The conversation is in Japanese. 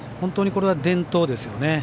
本当にこれは伝統ですよね。